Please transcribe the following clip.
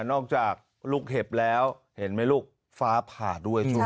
นอกจากลูกเห็บแล้วเห็นไหมลูกฟ้าผ่าด้วยใช่ไหม